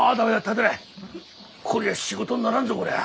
こりゃ仕事にならんぞこりゃ。